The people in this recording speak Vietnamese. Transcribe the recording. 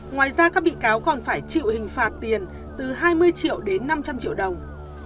ngoài ra các bị cáo còn phải chịu hình phạt tiền từ hai mươi triệu đến năm trăm linh triệu đồng